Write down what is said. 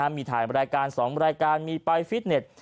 มีถ่ายรายการ๒รายการมีไปฟิตเน็ต